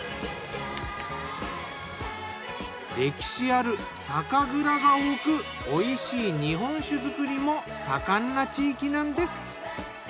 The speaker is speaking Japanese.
歴史ある酒蔵が多く美味しい日本酒造りも盛んな地域なんです。